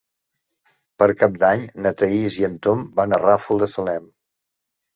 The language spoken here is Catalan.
Per Cap d'Any na Thaís i en Tom van al Ràfol de Salem.